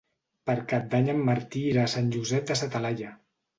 Per Cap d'Any en Martí irà a Sant Josep de sa Talaia.